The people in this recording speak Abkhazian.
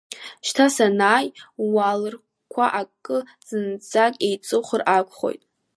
Шьҭа санааи, ууалырқәа акы зынӡак еиҵухыр акәхоит.